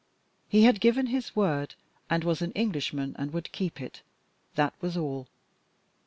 He had given his word, and was an Englishman and would keep it, that was all.